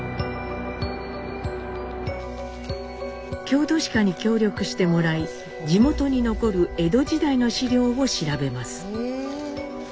郷土史家に協力してもらい地元に残る江戸時代の資料を調べます。